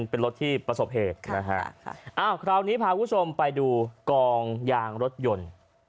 เป็นรถที่ประสบเหตุนะฮะอ้าวคราวนี้พาคุณผู้ชมไปดูกองยางรถยนต์